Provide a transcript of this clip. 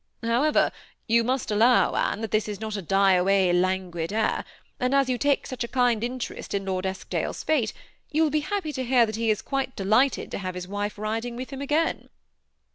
^ However, you must allow, Anne, that this is not a die away, languid air ; and as you take such a kind in terest in Lord Eskdale's fate, you will be happy to hear that he said he was quite delighted to have his wife rid ing with him again."